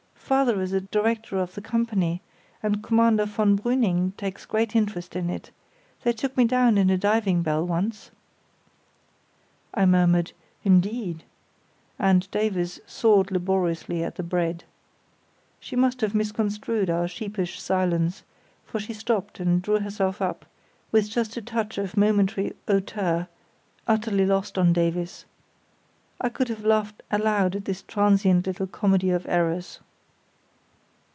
Father is a director of the company, and Commander von Brüning takes great interest in it; they took me down in a diving bell once." I murmured, "Indeed!" and Davies sawed laboriously at the bread. She must have misconstrued our sheepish silence, for she stopped and drew herself up with just a touch of momentary hauteur, utterly lost on Davies. I could have laughed aloud at this transient little comedy of errors.